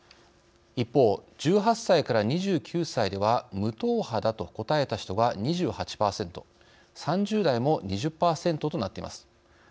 一方、１８歳から２９歳では無党派だと答えた人が２８％３０代も２０％となっています。